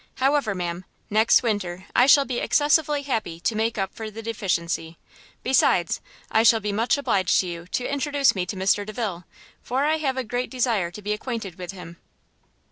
However, ma'am, next winter I shall be excessively happy to make up for the deficiency; besides, I shall be much obliged to you to introduce me to Mr Delvile, for I have a great desire to be acquainted with him."